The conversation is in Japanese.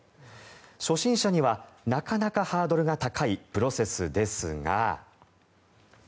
初心者にはなかなかハードルが高いプロセスですが。